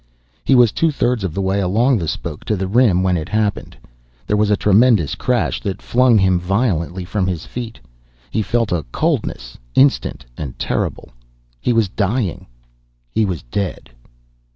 He was two thirds of the way along the spoke to the rim when it happened. There was a tremendous crash that flung him violently from his feet. He felt a coldness, instant and terrible. He was dying. He was dead.